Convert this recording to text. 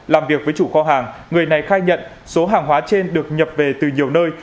làm việc với chủ kho hàng người này khai nhận số hàng hóa trên được nhập về từ nhiều nơi